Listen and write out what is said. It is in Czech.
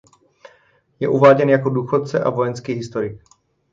Je uváděn jako důchodce a vojenský historik.